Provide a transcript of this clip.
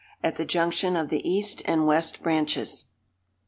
(AT THE JUNCTION OF THE EAST AND WEST BRANCHES.)